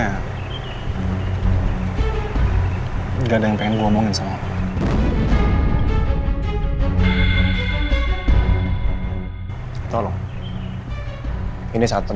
ya ada yang pengen gua mau ngerjain som